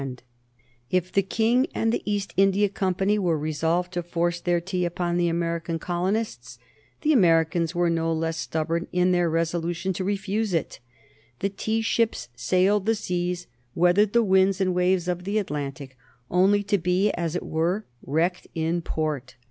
[Sidenote: 1773 The Boston "Tea party"] If the King and the East India Company were resolved to force their tea upon the American colonists, the Americans were no less stubborn in their resolution to refuse it. The tea ships sailed the seas, weathered the winds and waves of the Atlantic, only to be, as it were, wrecked in port.